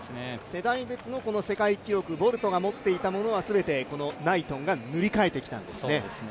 世代別の世界記録、ボルトが持っていたものはナイトンが塗り替えてきたんですね。